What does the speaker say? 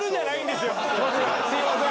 すいません。